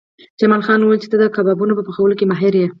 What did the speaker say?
داسي دي لکه قرضدار کره چی لاړ شم